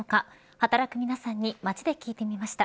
働く皆さんの街で聞いてみました。